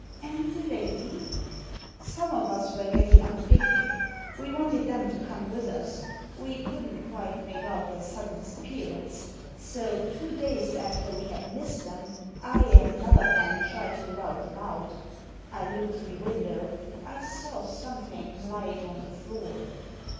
''And the lady?" "Some of us were getting up a picnic. We wanted them to come with us. We couldn't quite make out their sudden disappearance. So, two days after we had missed them, I and another man tried to rout them out I looked through the window. I saw something lying on the floor.